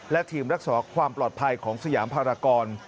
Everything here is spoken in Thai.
และทีมรักษาความปลอดภัยของสยามภารกร